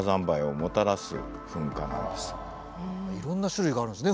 いろんな種類があるんですね